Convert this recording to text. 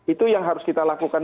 itu yang harus kita lakukan